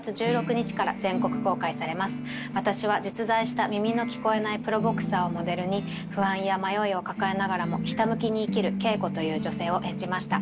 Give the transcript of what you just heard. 私は実在した耳の聞こえないプロボクサーをモデルに不安や迷いを抱えながらもひた向きに生きるケイコという女性を演じました。